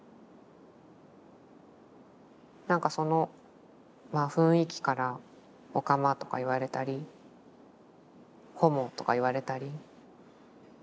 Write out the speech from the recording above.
なんかそのまあ雰囲気からオカマとか言われたりホモとか言われたり。